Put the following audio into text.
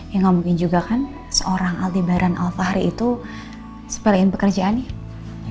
ya nggak mungkin juga kan seorang aldi baran alfahri itu sepelain pekerjaan nih